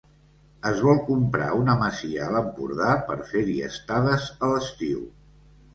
Es vol comprar una masia a l'Empordà per fer-hi estades a l'estiu.